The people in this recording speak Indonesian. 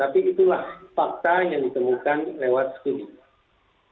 tapi itulah fakta yang ditemukan lewat screening